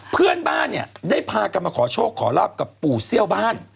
เพื่อนบ้านเนี่ยได้พากันมาขอโชคขอลาบกับปู่เซี่ยวบ้าน